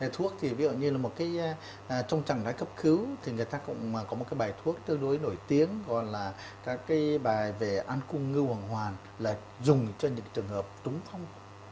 thuốc thì ví dụ như trong trạng đáy cấp cứu thì người ta cũng có một bài thuốc tương đối nổi tiếng gọi là bài về ăn cung ngư hoàng hoàng là dùng cho những trường hợp trúng phong